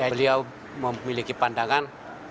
beliau memiliki pandangan